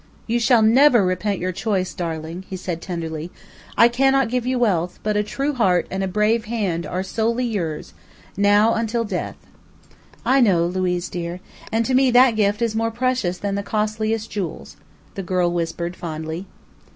"You shall never repent your choice, darling," he said tenderly. "I cannot give you wealth, but a true heart and a brave hand are solely yours, now and till death!" "I know, Luiz dear, and to me that gift is more precious than the costliest jewels," the girl whispered fondly.